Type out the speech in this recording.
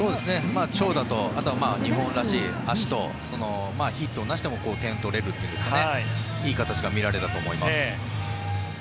長打とあとは日本らしい足とヒットなしでも点を取れるというんですかねいい形が見られたと思います。